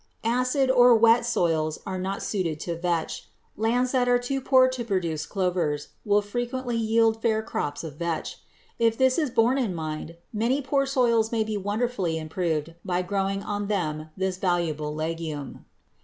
Acid or wet soils are not suited to vetch. Lands that are too poor to produce clovers will frequently yield fair crops of vetch. If this is borne in mind, many poor soils may be wonderfully improved by growing on them this valuable legume. [Illustration: FIG.